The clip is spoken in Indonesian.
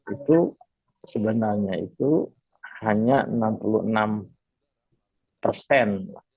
itu sebenarnya itu hanya enam puluh enam persen